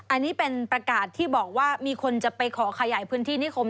อันนี้เป็นประกาศที่บอกว่ามีคนจะไปขอขยายพื้นที่นิคม